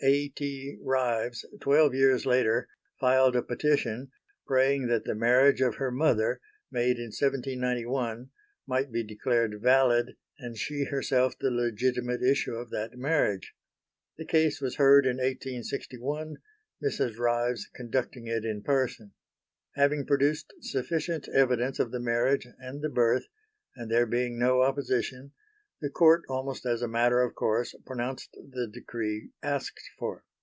A. T. Ryves twelve years later filed a petition praying that the marriage of her mother, made in 1791, might be declared valid and she herself the legitimate issue of that marriage. The case was heard in 1861, Mrs. Ryves conducting it in person. Having produced sufficient evidence of the marriage and the birth, and there being no opposition, the Court almost as a matter of course pronounced the decree asked for.